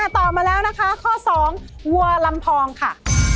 ตอบมาแล้วนะคะข้อ๒วัวลำพองค่ะ